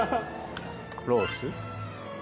ロース。